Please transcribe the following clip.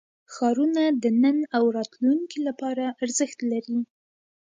ښارونه د نن او راتلونکي لپاره ارزښت لري.